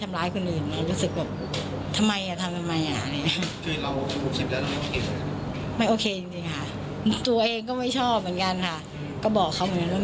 ไม่รู้ว่าจะให้ใครเชื่อมั่วไว้ให้พี่ชายเตือน